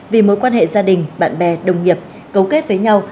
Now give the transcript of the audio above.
vì mối quan hệ gia đình bạn bè đồng nghiệp cấu kết với nhau